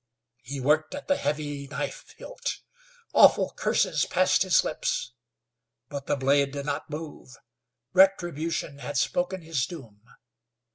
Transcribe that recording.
He worked at the heavy knife hilt. Awful curses passed his lips, but the blade did not move. Retribution had spoken his doom.